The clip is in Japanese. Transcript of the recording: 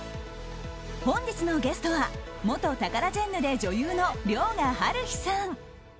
本日のゲストは元タカラジェンヌで女優の遼河はるひさん。